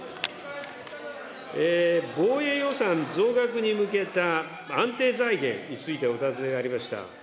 防衛予算増額に向けた安定財源についてお尋ねがありました。